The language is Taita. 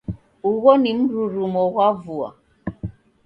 Ugho ni mrurumo ghwa vua?